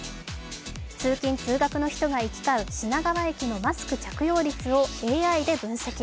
通勤・通学の人が行き交う品川駅のマスク着用率をＡＩで分析。